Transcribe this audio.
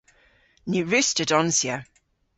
Ny wruss'ta donsya.